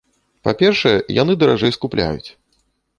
Па-першае, яны даражэй скупляюць.